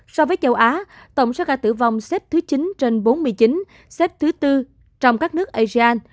so với châu á tổng số ca tử vong xếp thứ chín trên bốn mươi chín xếp thứ tư trong các nước asean